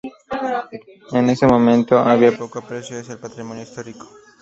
En ese momento, había poco aprecio hacia el patrimonio histórico.